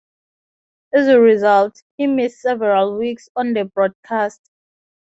As a result, he missed several weeks on the broadcast.